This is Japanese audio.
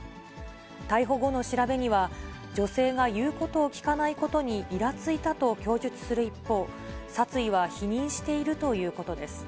逮捕後の調べには、女性が言うことを聞かないことにいらついたと供述する一方、殺意は否認しているということです。